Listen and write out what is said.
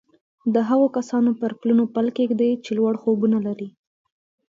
د هغو کسانو پر پلونو پل کېږدئ چې لوړ خوبونه لري